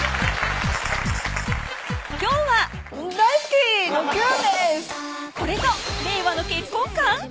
今日はこれぞ令和の結婚観？